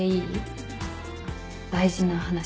大事な話。